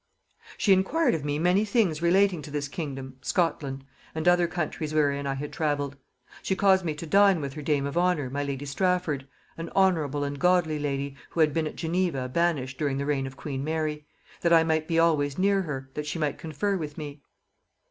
"She enquired of me many things relating to this kingdom (Scotland) and other countries wherein I had travelled. She caused me to dine with her dame of honor, my lady Strafford (an honorable and godly lady, who had been at Geneva banished during the reign of queen Mary), that I might be always near her, that she might confer with me."